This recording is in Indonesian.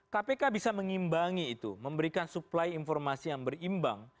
kpk bisa mengimbangi itu memberikan supply informasi yang berimbang